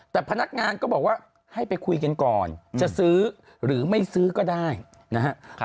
แต่พนักงานก็บอกว่าให้ไปคุยกันก่อนจะซื้อหรือไม่ซื้อก็ได้นะครับ